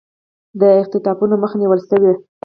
د اختطافونو مخه نیول شوې